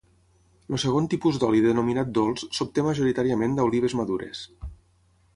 El segon tipus d'oli denominat dolç, s'obté majoritàriament d'olives madures.